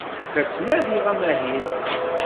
La ttnadiɣ amahil.